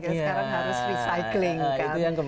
sekarang harus recycling kan